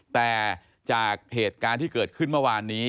แต่จากเหตุการณ์ที่เกิดขึ้นเมื่อวานนี้